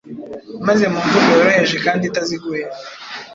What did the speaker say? maze mu mvugo yoroheje kandi itaziguye,